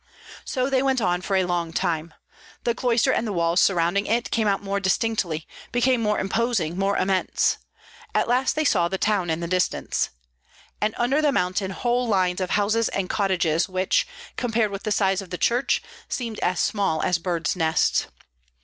So they went on for a long time. The cloister and the walls surrounding it came out more distinctly, became more imposing, more immense. At last they saw the town in the distance, and under the mountain whole lines of houses and cottages, which, compared with the size of the church, seemed as small as birds' nests.